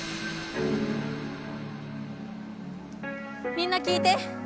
みんな聞いて！